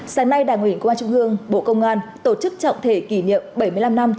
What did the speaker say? sáng nay đảng nguyễn quốc hội trung ương bộ công an tổ chức trọng thể kỷ niệm bảy mươi năm năm